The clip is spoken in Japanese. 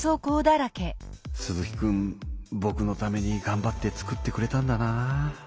鈴木くんぼくのためにがんばって作ってくれたんだなぁ。